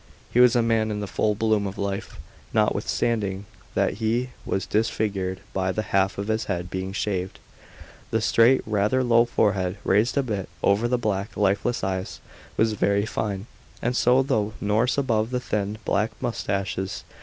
He was a man in the full bloom of life. Notwithstanding that he was disfigured by the half of his head being shaved, the straight, rather low forehead, raised a bit over the black, lifeless eyes, was very fine, and so was the nose above the thin, black moustaches.